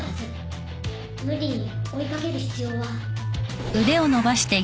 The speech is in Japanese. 無理に追い掛ける必要は。